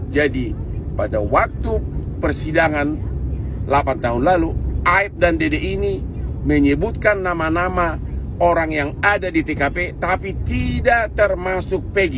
jadi pada waktu persidangan delapan tahun lalu aib dan dede ini menyebutkan nama nama yang dia lihat di tkp tapi tidak termasuk pegi